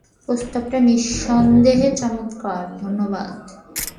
প্রস্তাবটা নিঃসন্দেহে চমৎকার, ধন্যবাদ!